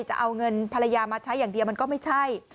จะเอาเงินภรรยามาใช้อย่างเดียวมันก็ไม่ใช่